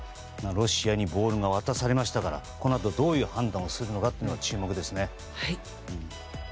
ロシアにボールが渡されましたからこのあとどういう判断をするのか注目ですね。